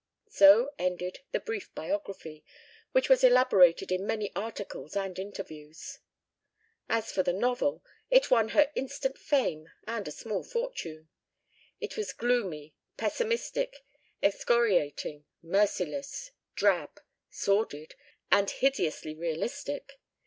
So ended the brief biography, which was elaborated in many articles and interviews. As for the novel, it won her instant fame and a small fortune. It was gloomy, pessimistic, excoriating, merciless, drab, sordid, and hideously realistic.